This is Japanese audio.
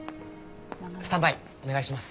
スタンバイお願いします。